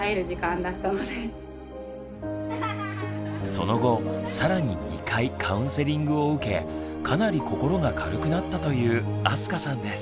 その後更に２回カウンセリングを受けかなり心が軽くなったという明日香さんです。